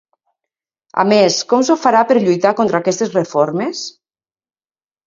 A més, com s'ho farà per lluitar contra aquestes reformes?